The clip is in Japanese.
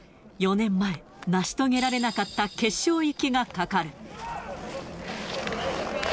４年前、成し遂げられなかった決勝行きがかかる。